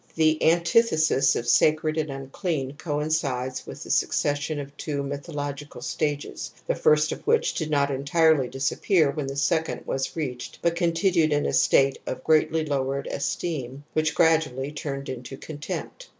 The antithesis of sacred and unclean coincides with the succession of two mythological stages the first of which did not entirely disappear when the second was reached but continued in a state of greatly lowered esteem which gradually turned into contempt.